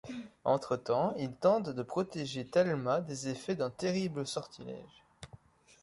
Entretemps, ils tentent de protéger Thelma des effets d’un terrible sortilège.